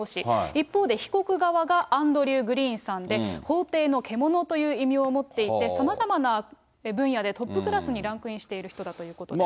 一方で、被告側がアンドリュー・グリーンさんで、法廷の獣という異名を持っていて、さまざまな分野で、トップクラスにランクインしている人だということです。